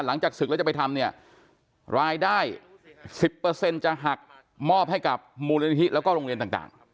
หลังจากศึกแล้วจะไปทำเนี่ยรายได้๑๐จะหักมอบให้กับมูลนิธิแล้วก็โรงเรียนต่าง